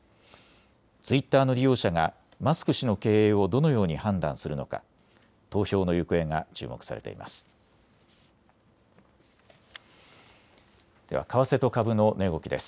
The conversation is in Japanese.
ツイッターの利用者がマスク氏の経営をどのように判断するのか投票の行方が注目されています。